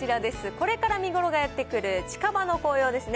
これから見頃がやって来る近場の紅葉ですね。